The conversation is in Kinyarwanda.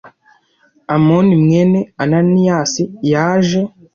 Amoni mwene ananiyasi yaje